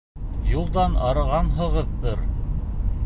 Юлдан арығанһығыҙҙыр.